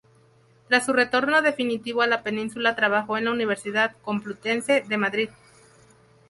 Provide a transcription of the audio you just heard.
Tras su retorno definitivo a la península trabajó en la Universidad Complutense de Madrid.